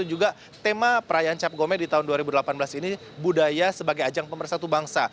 dan juga tema perayaan cap gome di tahun dua ribu delapan belas ini budaya sebagai ajang pemersatu bangsa